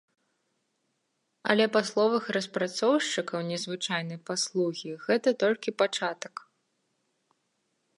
Але па словах распрацоўшчыкаў незвычайнай паслугі, гэта толькі пачатак.